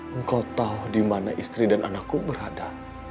engkau tahu dimana istri dan anakku berada